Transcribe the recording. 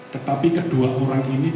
tetapi kedua orang ini